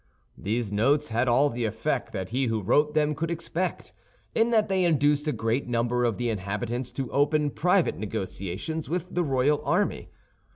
These notes had all the effect that he who wrote them could expect, in that they induced a great number of the inhabitants to open private negotiations with the royal army.